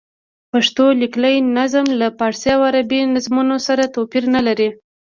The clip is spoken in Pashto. پښتو لیکلی نظم له فارسي او عربي نظمونو سره توپیر نه لري.